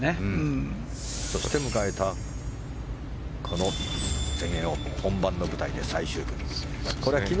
そして迎えたこの全英オープン本番の舞台で最終日。